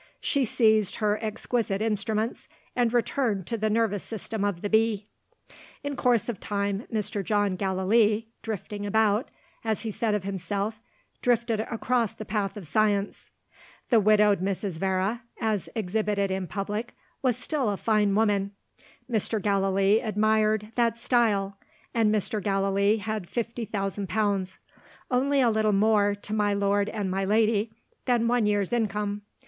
She seized her exquisite instruments, and returned to the nervous system of the bee. In course of time, Mr. John Gallilee "drifting about," as he said of himself drifted across the path of science. The widowed Mrs. Vere (as exhibited in public) was still a fine woman. Mr. Gallilee admired "that style"; and Mr. Gallilee had fifty thousand pounds. Only a little more, to my lord and my lady, than one year's income.